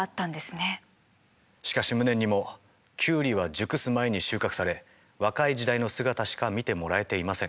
しかし無念にもキュウリは熟す前に収穫され若い時代の姿しか見てもらえていません。